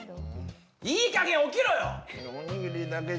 いいかげん起きろよ。